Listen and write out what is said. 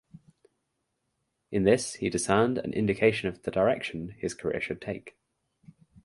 In this he discerned an indication of the direction his career should take.